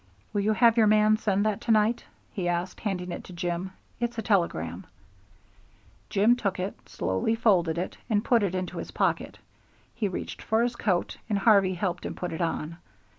"Will you have your man send that tonight?" he asked, handing it to Jim. "It's a telegram." Jim took it, slowly folded it, and put it into his pocket. He reached for his coat, and Harvey helped him put it on.